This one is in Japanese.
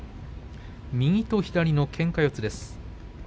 右と左の、けんか四つです。